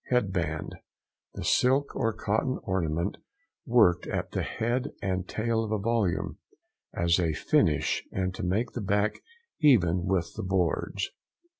HEAD BAND.—The silk or cotton ornament worked at the head and tail of a volume, as a finish and to make the back even with the boards.